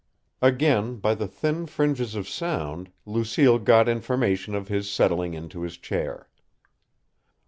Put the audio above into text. Again by the thin fringes of sound, Lucille got information of his settling into his chair.